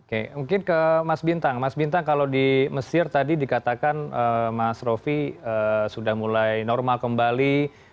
oke mungkin ke mas bintang mas bintang kalau di mesir tadi dikatakan mas rofi sudah mulai normal kembali